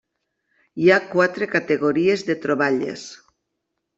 Hi ha quatre categories de troballes.